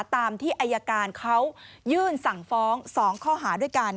ตามที่อายการเขายื่นสั่งฟ้อง๒ข้อหาด้วยกัน